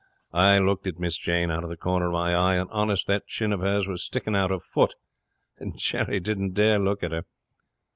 I looked at Miss Jane out of the corner of my eye; and, honest, that chin of hers was sticking out a foot, and Jerry didn't dare look at her.